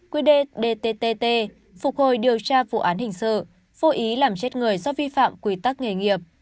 quy đề dtt phục hồi điều tra vụ án hình sự vô ý làm chết người do vi phạm quy tắc nghề nghiệp